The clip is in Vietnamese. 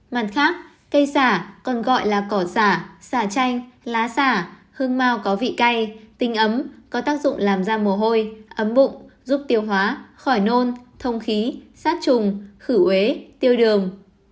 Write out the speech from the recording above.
mặt khác cây xả còn gọi là cỏ giả chanh lá xả hương mau có vị cay tinh ấm có tác dụng làm ra mồ hôi ấm bụng giúp tiêu hóa khỏi nôn thông khí sát trùng khử ế tiêu đường